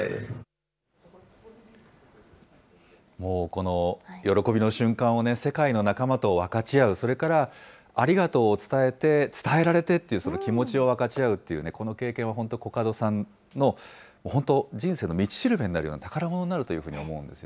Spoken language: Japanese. この喜びの瞬間を世界の仲間と分かち合う、それからありがとうを伝えて、伝えられてっていう、その気持ちを分かち合うっていうね、この経験は本当、古角さんの本当、人生の道しるべになるような、宝物になるというふうに思うんです